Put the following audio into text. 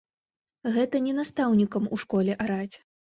Гэта не настаўнікам у школе араць.